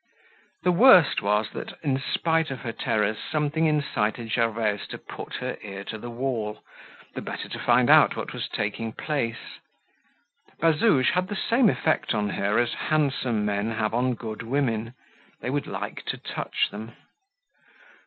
The worst was that, in spite of her terrors, something incited Gervaise to put her ear to the wall, the better to find out what was taking place. Bazouge had the same effect on her as handsome men have on good women: they would like to touch them.